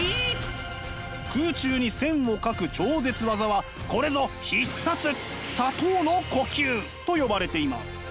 空中に線を描く超絶技はこれぞ必殺砂糖の呼吸！と呼ばれています。